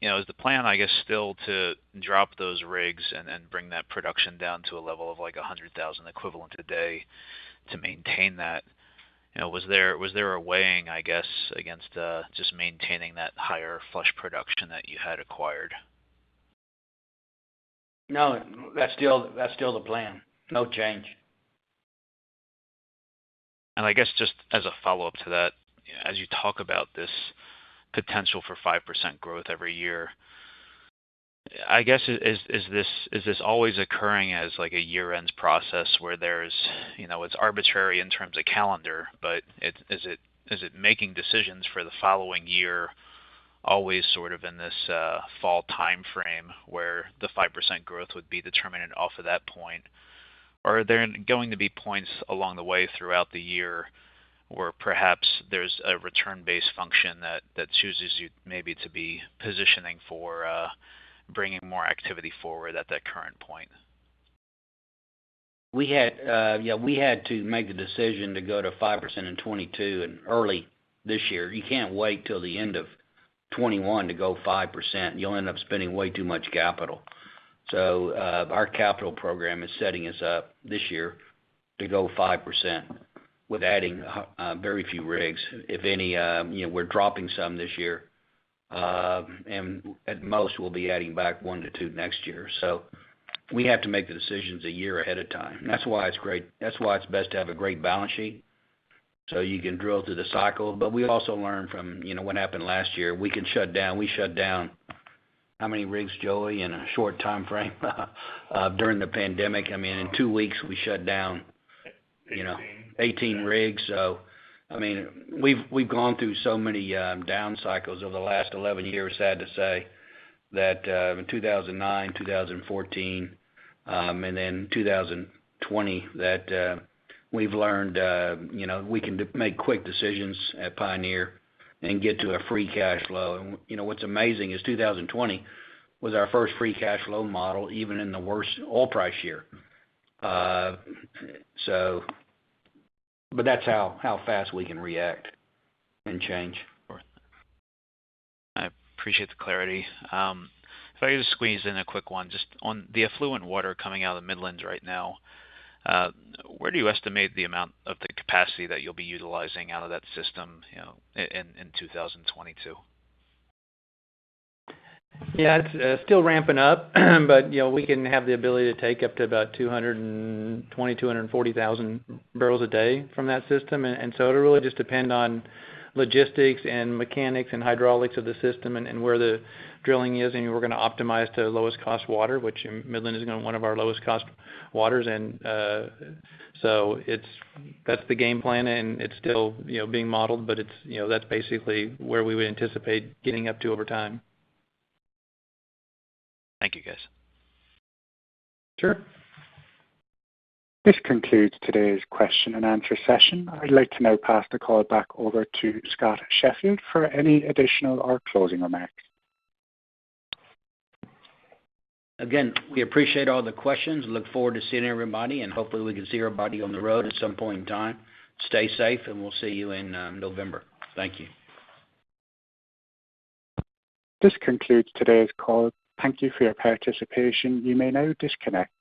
Is the plan, I guess, still to drop those rigs and bring that production down to a level of like 100,000 equivalent a day to maintain that? Was there a weighing, I guess, against just maintaining that higher flush production that you had acquired? No, that's still the plan. No change. I guess just as a follow-up to that, as you talk about this potential for 5% growth every year, I guess, is this always occurring as like a year ends process where it's arbitrary in terms of calendar, but is it making decisions for the following year always sort of in this fall timeframe where the 5% growth would be determined off of that point? Or are there going to be points along the way throughout the year where perhaps there's a return-based function that chooses you maybe to be positioning for bringing more activity forward at that current point? We had to make the decision to go to 5% in 2022 and early this year. You can't wait till the end of 2021 to go 5%. You'll end up spending way too much capital. Our capital program is setting us up this year to go 5% with adding very few rigs, if any. We're dropping some this year. At most, we'll be adding back one to two next year. We have to make the decisions a year ahead of time. That's why it's best to have a great balance sheet, so you can drill through the cycle. We also learned from what happened last year. We can shut down. We shut down how many rigs, Joey, in a short timeframe during the pandemic? In two weeks, we shut down. 18 rigs. We've gone through so many down cycles over the last 11 years, sad to say, in 2009, 2014, and then 2020, that we've learned we can make quick decisions at Pioneer Natural Resources and get to a free cash flow. What's amazing is 2020 was our first free cash flow model, even in the worst oil price year. That's how fast we can react and change. I appreciate the clarity. If I could just squeeze in a quick one, just on the effluent water coming out of the Midlands right now, where do you estimate the amount of the capacity that you'll be utilizing out of that system in 2022? Yeah, it's still ramping up. We can have the ability to take up to about 220,000, 240,000 barrels a day from that system. It'll really just depend on logistics and mechanics and hydraulics of the system and where the drilling is. We're going to optimize to lowest cost water, which Midland is one of our lowest cost waters. That's the game plan, and it's still being modeled, but that's basically where we would anticipate getting up to over time. Thank you, guys. Sure. This concludes today's question and answer session. I'd like to now pass the call back over to Scott Sheffield for any additional or closing remarks. Again, we appreciate all the questions. Look forward to seeing everybody, and hopefully we can see everybody on the road at some point in time. Stay safe, and we'll see you in November. Thank you. This concludes today's call. Thank you for your participation. You may now disconnect.